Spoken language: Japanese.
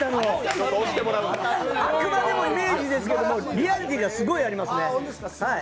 あくまでもイメージですけどリアリティーがすごいありますね。